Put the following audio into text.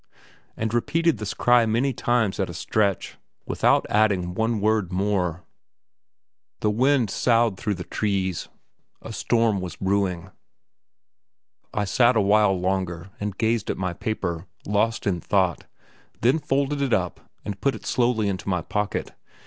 and repeated this cry many times at a stretch, without adding one word more. The wind soughed through the trees; a storm was brewing. I sat a while longer, and gazed at my paper, lost in thought, then folded it up and put it slowly into my pocket.